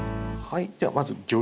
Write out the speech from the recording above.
はい。